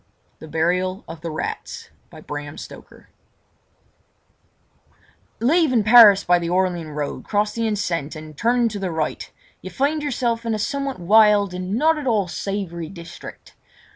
The Burial of the Rats Leaving Paris by the Orleans road, cross the Enceinte, and, turning to the right, you find yourself in a somewhat wild and not at all savoury district.